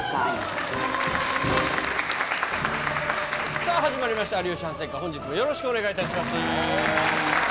さぁ始まりました『有吉反省会』本日もよろしくお願いします。